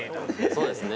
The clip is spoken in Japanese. そうですね。